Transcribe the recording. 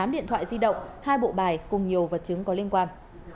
tám điện thoại di động hai bộ bài cùng nhiều vật chứng có liên quan